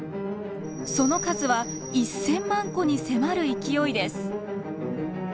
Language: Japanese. その数は１，０００万戸に迫る勢いです。